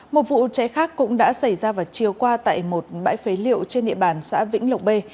một vụ cháy khác cũng đã xảy ra vào chiều qua tại một bãi phế liệu trên địa bàn xã vĩnh lộc b